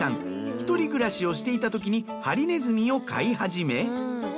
１人暮らしをしていたときにハリネズミを飼い始め